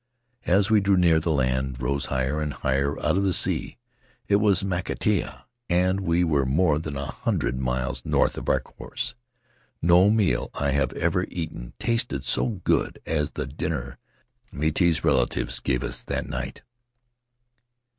As we drew near the land rose higher and higher out of the sea — it was Makatea, and we were more than a hundred miles north of our course. No meal I have ever eaten tasted so good as the dinner Miti's relatives gave us that night!